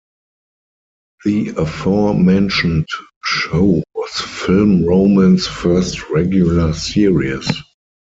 The aforementioned show was Film Roman's first regular series.